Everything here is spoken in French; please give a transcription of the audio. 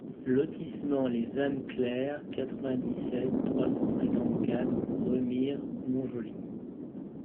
Lotissement Les Ames Claires, quatre-vingt-dix-sept, trois cent cinquante-quatre Remire-Montjoly